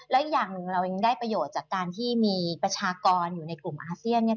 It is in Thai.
และอีกอย่างหนึ่งเรายังได้ประโยชน์จากการที่มีประชากรอยู่ในกลุ่มอาเซียนเนี่ย